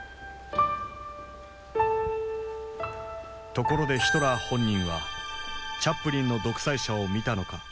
ところでヒトラー本人はチャップリンの「独裁者」を見たのか。